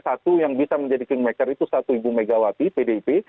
satu yang bisa menjadi kingmaker itu satu ibu megawati pdip